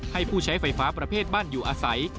ผู้ใช้ไฟฟ้าประเภทบ้านอยู่อาศัย